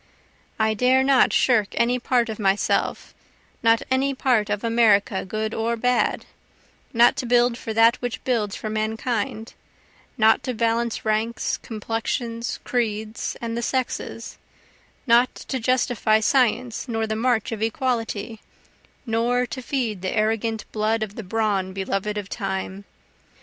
I dare not shirk any part of myself, Not any part of America good or bad, Not to build for that which builds for mankind, Not to balance ranks, complexions, creeds, and the sexes, Not to justify science nor the march of equality, Nor to feed the arrogant blood of the brawn belov'd of time.